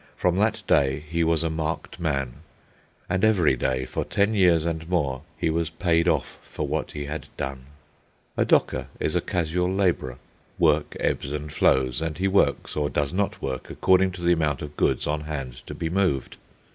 From that day he was a marked man, and every day, for ten years and more, he was "paid off" for what he had done. A docker is a casual labourer. Work ebbs and flows, and he works or does not work according to the amount of goods on hand to be moved.